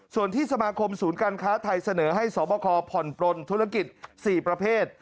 ส่วนที่สมาคมศูนย์การค้าไทยเสนอให้สวบคผ่อนปลนธุรกิจ๔ประเภท